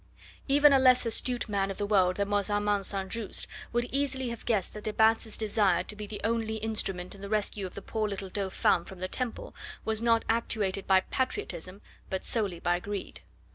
Even a less astute man of the world than was Armand St. Just would easily have guessed that de Batz' desire to be the only instrument in the rescue of the poor little Dauphin from the Temple was not actuated by patriotism, but solely by greed.